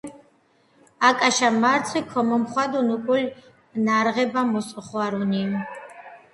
აკაშა მარცხი ქომოხვადუნ უკულ ნარღება მუს ოხვარუნი